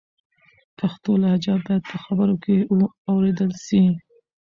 پښتو لهجه باید په خبرو کې و اورېدل سي.